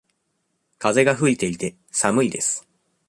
風が吹いていて、寒いです。